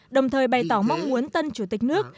đồng thời bày tỏ mong muốn tân chủ tịch nước